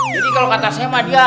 jadi kalau kata saya mah dia